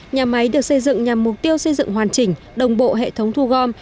nhà máy được xây dựng nhằm mục tiêu xây dựng hoàn chỉnh đồng bộ hệ thống thu gom